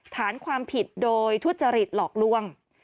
ฐานความผิดโดยทุจริตหลอกล่วง